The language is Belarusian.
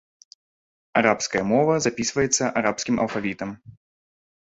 Арабская мова запісваецца арабскім алфавітам.